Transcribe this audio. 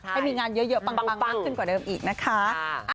ให้มีงานเยอะปังมากขึ้นกว่าเดิมอีกนะคะ